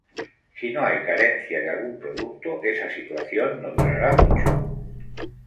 Si no hay carencia de algún producto, esa situación no durará mucho.